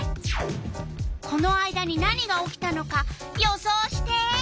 この間に何が起きたのか予想して！